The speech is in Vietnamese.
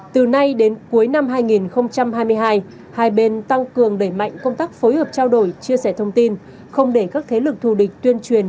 từ nay đến cuối năm hai nghìn hai mươi hai hai bên tăng cường đẩy mạnh công tác phối hợp trao đổi chia sẻ thông tin không để các thế lực thù địch tuyên truyền